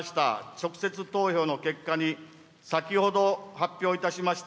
直接投票の結果に先ほど発表いたしました